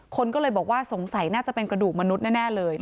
คนก็เลยบอกว่าสงสัยน่าจะเป็นกระดูกมนุษย์แน่เลย